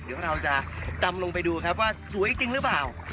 เดี๋ยวเราจะดำลงไปดูครับว่าสวยจริงหรือเปล่า